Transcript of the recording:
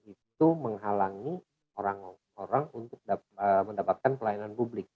itu menghalangi orang orang untuk mendapatkan pelayanan publik